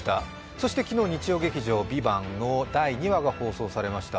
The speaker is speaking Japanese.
そして昨日、日曜劇場「ＶＩＶＡＮＴ」の第２話が放送されました。